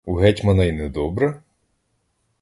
У гетьмана й не добре?